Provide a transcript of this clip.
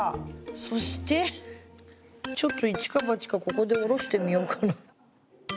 そしてちょっと一か八かここで下ろしてみようかな。